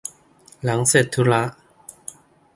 หลังเสร็จธุระ